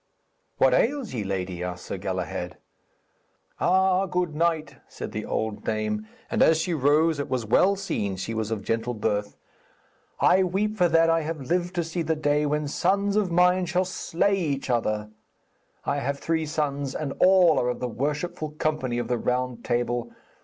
'What ails ye, lady?' asked Sir Galahad. 'Ah, good knight,' said the old dame, and as she rose it was well seen she was of gentle birth, I weep for that I have lived to see the day when sons of mine shall slay each the other. I have three sons, and all are of the worshipful company of the Round Table.